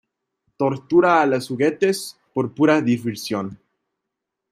¡ Tortura a los juguetes por pura diversión!